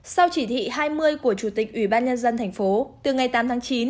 sau chỉ thị hai mươi của chủ tịch ủy ban nhân dân tp từ ngày tám tháng chín